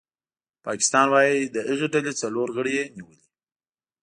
پاکستان وايي د هغې ډلې څلور غړي یې نیولي